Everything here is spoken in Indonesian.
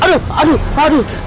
aduh aduh aduh aduh